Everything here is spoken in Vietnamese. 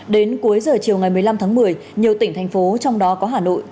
đến cuối giờ chiều ngày một mươi năm tháng một mươi nhiều tỉnh thành phố trong đó có hà nội